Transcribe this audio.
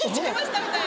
みたいな。